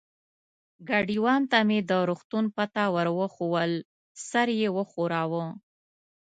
ګاډیوان ته مې د روغتون پته ور وښوول، سر یې و ښوراوه.